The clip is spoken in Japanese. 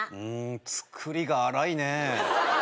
作りが粗いねぇ。